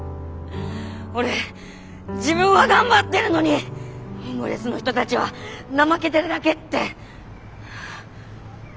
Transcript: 俺自分は頑張ってるのにホームレスの人たちは怠けてるだけって。